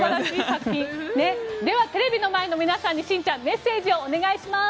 では、テレビの前の皆さんにしんちゃんメッセージをお願いします。